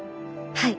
はい。